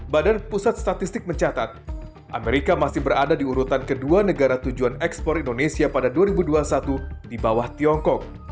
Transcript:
badan pusat statistik mencatat amerika masih berada di urutan kedua negara tujuan ekspor indonesia pada dua ribu dua puluh satu di bawah tiongkok